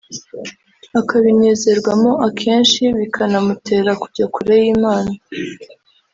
akabinezerwamo akenshi bikana mutera kujya kure y’Imana